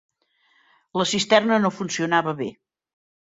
La cisterna no funcionava bé.